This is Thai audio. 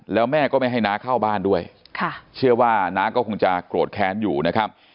แล้วแม่ก็ไม่ให้น้าเข้าบ้านด้วยเชื่อว่าน้าก็คงจะโกรธแค้นอยู่นะครับ